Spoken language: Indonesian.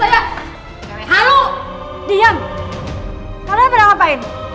tempat ada keseriakan